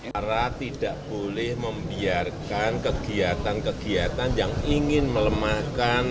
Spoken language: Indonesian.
arah tidak boleh membiarkan kegiatan kegiatan yang ingin melemahkan